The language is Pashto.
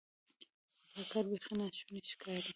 خو دا کار بیخي ناشونی ښکاري.